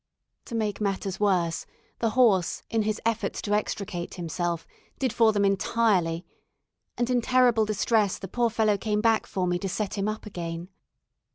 To make matters worse, the horse, in his efforts to extricate himself, did for them entirely; and in terrible distress, the poor fellow came back for me to set him up again.